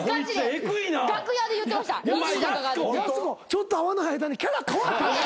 ちょっと会わない間にキャラ変わったな。